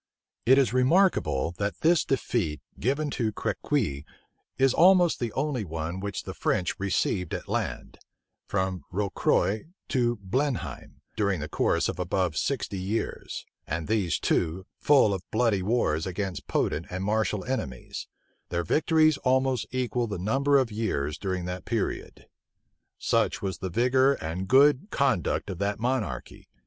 It is remarkable, that this defeat, given to Crequi, is almost the only one which the French received at land, from Rocroi to Blenheim, during the course of above sixty years; and these, too, full of bloody wars against potent and martial enemies: their victories almost equal the number of years during that period. Such was the vigor and good conduct of that monarchy!